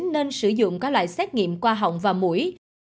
nên sử dụng các loại xét nghiệm qua họng và mũi